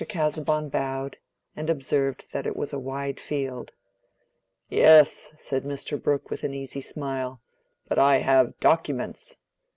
Casaubon bowed, and observed that it was a wide field. "Yes," said Mr. Brooke, with an easy smile, "but I have documents.